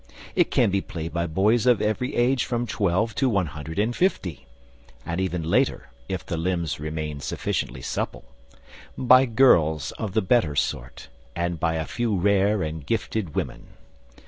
It can be played by boys of every age from twelve to one hundred and fifty and even later if the limbs remain sufficiently supple by girls of the better sort, and by a few rare and gifted women.